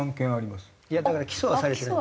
いやだから起訴はされてない。